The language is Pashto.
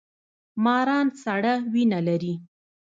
ماران سړه وینه لري